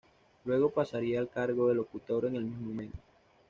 Luego pasaría al cargo de Locutor en el mismo medio.